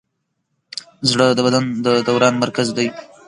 زړه د بدن د دوران مرکز دی.